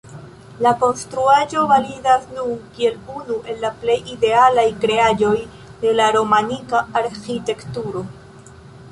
La konstruaĵo validas nun kiel unu el la plej idealaj kreaĵoj de romanika arĥitekturo.